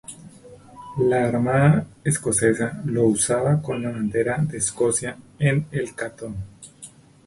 La armada escocesa lo usaba con la bandera de Escocia en el cantón.